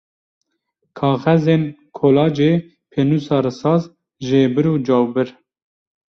Kaxezên kolacê, pênûsa risas, jêbir û cawbir.